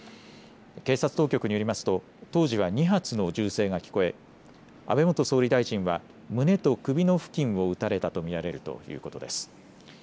警察当局によりますと当時は２発の銃声が聞こえ安倍元総理大臣は胸と首の付近を撃たれたと見られるということです。